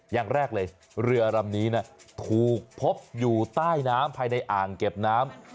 อย่างแรกเลยเรือลำนี้ถูกพบอยู่ใต้น้ำภายในอ่างเก็บน้ำ